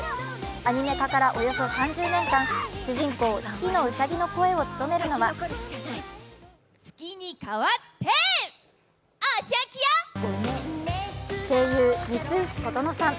アニメ化からおよそ３０年間主人公月野うさぎの声を務めるのは声優・三石琴乃さん。